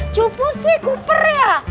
cupu sih cooper ya